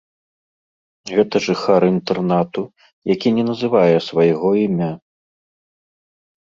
Гэта жыхар інтэрнату, які на называе свайго імя.